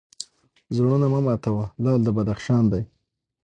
زړونه مه ماتوه لعل د بدخشان دی